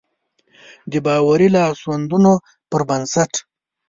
د باوري لاسوندونو پر بنسټ.